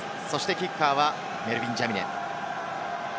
キッカーはメルヴィン・ジャミネ。